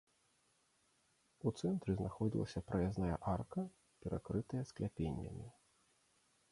У цэнтры знаходзілася праязная арка, перакрытая скляпеннямі.